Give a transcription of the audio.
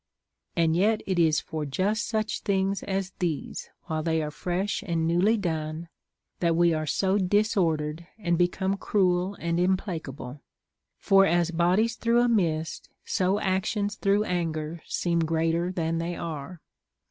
And yet it is for just such tilings as these, while they are fresh and newly done, that we are so disordered, and become cruel and implacable. For as bodies through a mist, so actions through anger seem greater than they are.